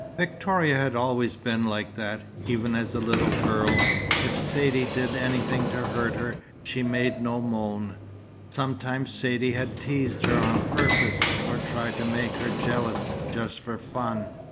Victoria had always been like that, even as a little girl. If Saidee did anything to hurt her, she made no moan. Sometimes Saidee had teased her on purpose, or tried to make her jealous, just for fun.